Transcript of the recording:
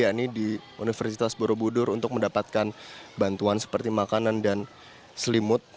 yakni di universitas borobudur untuk mendapatkan bantuan seperti makanan dan selimut